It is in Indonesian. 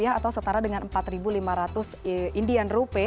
atau setara dengan rp empat lima ratus